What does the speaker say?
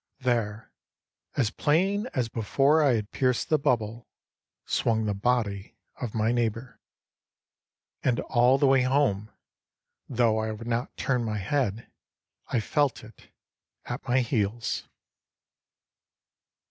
There, as plain as before I had pierced the bubble, swung the body of my neighbor. And all the way home, though I would not turn my head, I felt it at my heels.